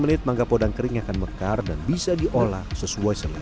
tiga puluh menit mangga podang kering akan mekar dan bisa diolah sesuai selera